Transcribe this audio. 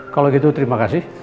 kalau gitu terima kasih